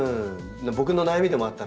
僕の悩みでもあったので。